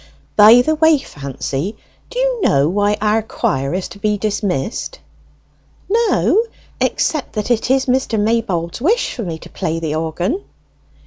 "By the way, Fancy, do you know why our quire is to be dismissed?" "No: except that it is Mr. Maybold's wish for me to play the organ."